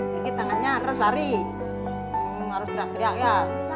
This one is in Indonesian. tinggir tangannya terus lari harus teriak teriak ya